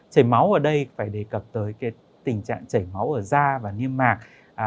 chảy máu ở đây phải đề cập tới cái tình trạng chảy máu ở da và niêm mạc